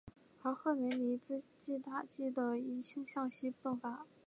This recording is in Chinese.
而赫梅尔尼茨基的大军一直都在向西进发。